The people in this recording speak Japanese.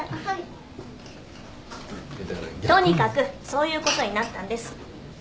とにかくそういうことになったんです。